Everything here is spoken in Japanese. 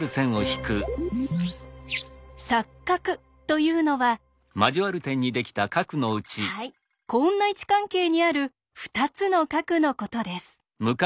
「錯角」というのははいこんな位置関係にある２つの角のことです。